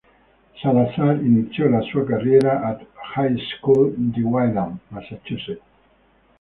Salazar iniziò la sua carriera all'High School di Wayland, Massachusetts.